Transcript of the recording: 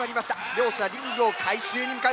両者リングを回収に向かう。